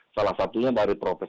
salah satunya dari program